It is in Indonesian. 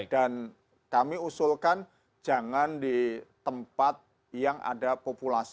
dan kami usulkan jangan di tempat yang ada penyelamat